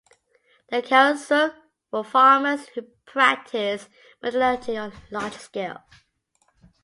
The Karasuk were farmers who practiced metallurgy on a large scale.